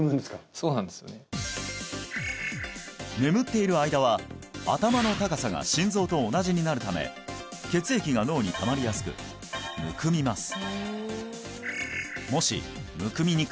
眠っている間は頭の高さが心臓と同じになるため血液が脳にたまりやすくむくみます